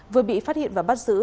vừa bị phát hiện và bắt giữ